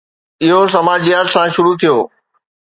اهو سماجيات سان شروع ٿيو